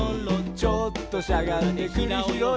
「ちょっとしゃがんでくりひろい」